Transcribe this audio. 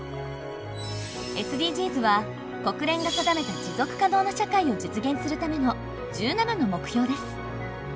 ＳＤＧｓは国連が定めた持続可能な社会を実現するための１７の目標です。